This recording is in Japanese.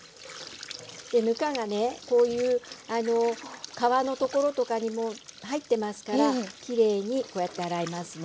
ぬかがねこういう皮のところとかにも入ってますからきれいにこうやって洗いますね。